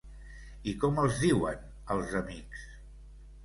I com els diuen, els amics?